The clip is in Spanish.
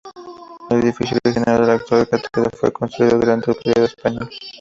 El edificio original de la actual catedral fue construido durante el período español.